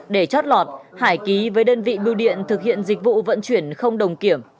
để chót lọt hải ký với đơn vị bưu điện thực hiện dịch vụ vận chuyển không đồng kiểm